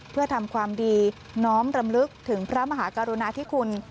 เพื่อทำความดีน้อมรำลึกถึงพระมหากรุณาธิคุณ